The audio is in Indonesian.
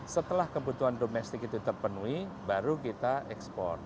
setelah kebutuhan domestik itu terpenuhi baru kita ekspor